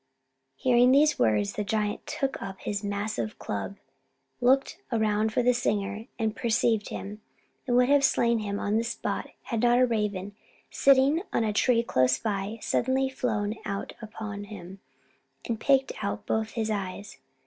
Hearing these words, the giant took up his massive club, looked around for the singer, and, perceiving him, would have slain him on the spot, had not a raven, sitting on a tree close by, suddenly flown out upon him and picked out both his eyes.